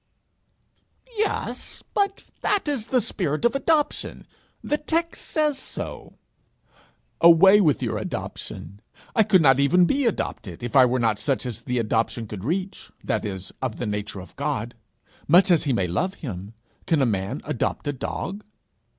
'Yes; but that is the spirit of adoption; the text says so.' 'Away with your adoption! I could not even be adopted if I were not such as the adoption could reach that is, of the nature of God. Much as he may love him, can a man adopt a dog?